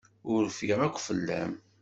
Ur rfiɣ akk fell-am.